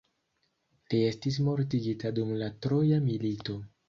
Li estis mortigita dum la troja milito.